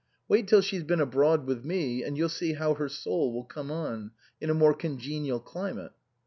Wait till she's been abroad with me, and you'll see how her soul will come on, in a more congenial climate."